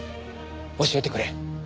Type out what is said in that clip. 教えてくれ。